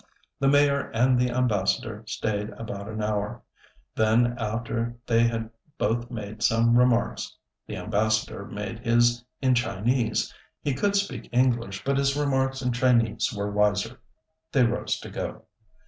The Mayor and the Ambassador staid about an hour; then after they had both made some remarks the Ambassador made his in Chinese; he could speak English, but his remarks in Chinese were wiser they rose to go.